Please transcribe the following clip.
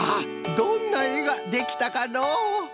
どんなえができたかのう？